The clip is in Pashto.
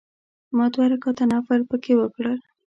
ما دوه رکعته نفل په کې وکړل.